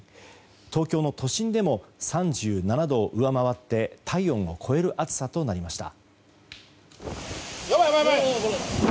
東京の都心でも３７度を上回って体温を超える暑さとなりました。